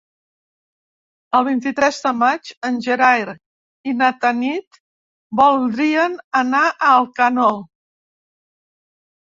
El vint-i-tres de maig en Gerai i na Tanit voldrien anar a Alcanó.